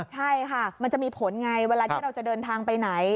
ใช่ค่ะมันจะมีผลไงเวลาที่เราจะเดินทางไปไหน